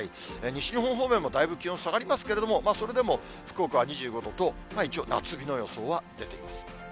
西日本方面もだいぶ気温下がりますけれども、それでも福岡は２５度と、一応、夏日の予想は出ています。